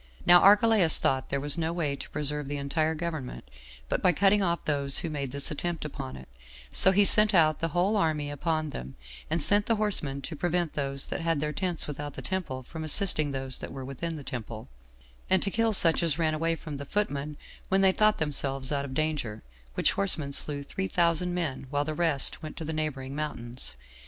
Now Archelaus thought there was no way to preserve the entire government but by cutting off those who made this attempt upon it; so he sent out the whole army upon them, and sent the horsemen to prevent those that had their tents without the temple from assisting those that were within the temple, and to kill such as ran away from the footmen when they thought themselves out of danger; which horsemen slew three thousand men, while the rest went to the neighboring mountains.